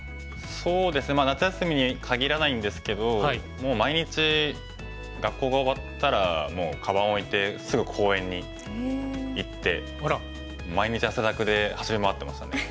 そうですね夏休みに限らないんですけどもう毎日学校が終わったらカバンを置いてすぐ公園に行って毎日汗だくで走り回ってましたね。